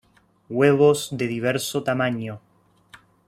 Huevos de diverso tamaño.